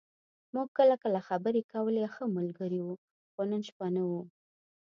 موږ کله کله خبرې کولې او ښه ملګري وو، خو نن شپه نه و.